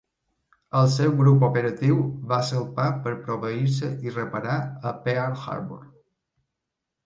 El seu grup operatiu va salpar per proveir-se i reparar a Pearl Harbor.